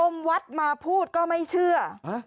อมวัฒน์มาพูดก็ไม่เชื่อ